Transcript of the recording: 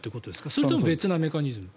それとも別のメカニズム？